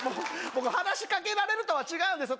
僕話しかけられるとは違うんです